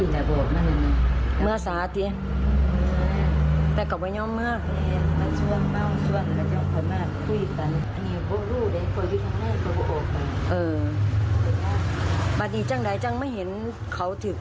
ตัวสอบที่เกิดเหตุครับนี่ฮะพวกบานเกร็ดที่เป็นกระจกแตกเป็นชิ้นชิ้นร่วงอยู่แบบนี้ครับ